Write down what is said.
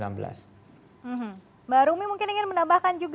mbak rumi mungkin ingin menambahkan juga